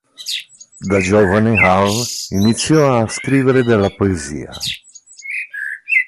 Da giovane Hall iniziò a scrivere della poesia.